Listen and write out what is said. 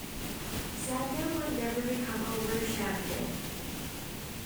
Sandel would never become a world champion.